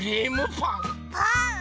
パン？